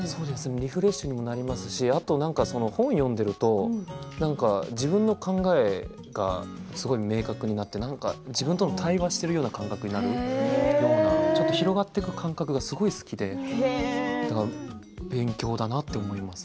リフレッシュにもなりますし、本を読んでいると自分の考えが明確になって自分との対話をしているような感覚になるちょっと広がっていく感覚がすごく好きで勉強だなと思います。